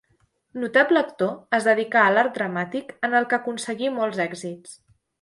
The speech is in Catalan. Notable actor, es dedicà a l'art dramàtic, en el que aconseguí molts èxits.